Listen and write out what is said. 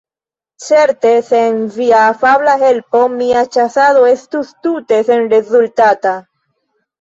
Certe, sen via afabla helpo mia ĉasado estus tute senrezultata.